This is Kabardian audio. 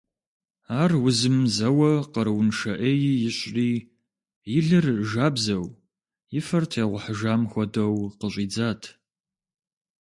Ар узым зэуэ къарууншэ Ӏеи ищӏри, и лыр жабзэу и фэр тегъухьыжам хуэдэу къыщӀидзат.